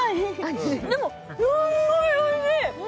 でも、すんごいおいしい！